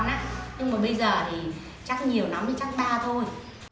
nhưng mà bây giờ thì chắc nhiều nó mới chắc ba thôi